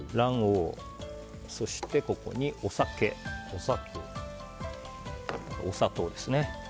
そして、ここにお酒お砂糖ですね。